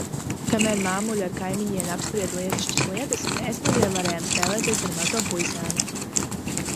Kamēr māmuļa ar kaimiņieni apsprieda lietišķas lietas, mēs mazie varējām spēlēties ar mazo puisēnu.